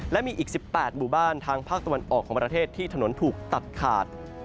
และมีอีก๑๘หมู่บ้านทางภาคตะวันออกของประเทศที่ถนนถูกตัดขาด